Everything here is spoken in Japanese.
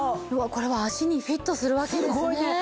これは足にフィットするわけですね。